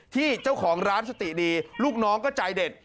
ที่เจ้าของร้านสติดีลูกน้องก็ใจเด็ด